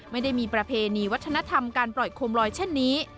ไม่ได้มีประเพณีวัฒนธรรมการปล่อยโคมลอยเช่นนี้